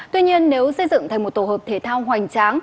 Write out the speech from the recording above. tuy nhiên nếu xây dựng thành một tổ hợp thể thao hoành tráng